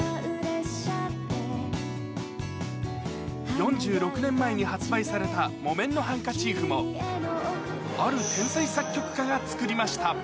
４６年前に発売された木綿のハンカチーフも、ある天才作曲家が作りました。